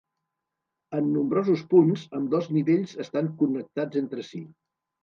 En nombrosos punts, ambdós nivells estan connectats entre si.